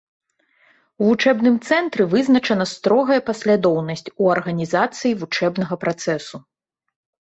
У вучэбным цэнтры вызначана строгая паслядоўнасць у арганізацыі вучэбнага працэсу.